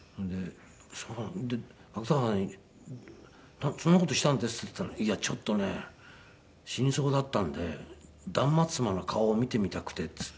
で芥川さんに「そんな事したんです？」って言ったら「いやちょっとね死にそうだったんで断末魔の顔を見てみたくて」って言って。